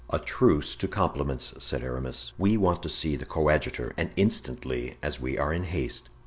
"A truce to compliments," said Aramis; "we want to see the coadjutor, and instantly, as we are in haste."